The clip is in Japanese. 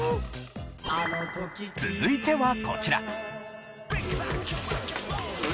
続いてはこちら。